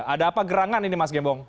ada apa gerangan ini mas gembong